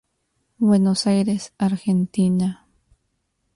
Buenos Aires, Argentina.